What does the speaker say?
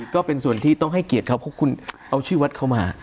ก็เป็นส่วนที่ต้องให้เกียรติเขาเพราะคุณเอาชื่อวัดเข้ามา